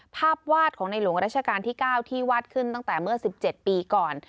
ภาพวาดของในหลวงรัชกาลที่เก้าที่วาดขึ้นตั้งแต่เมื่อสิบเจ็ดปีก่อน